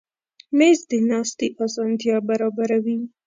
مېز د ناستې اسانتیا برابروي.